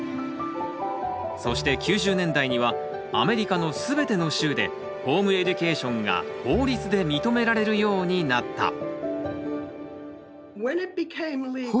そして９０年代にはアメリカの全ての州でホームエデュケーションが法律で認められるようになった。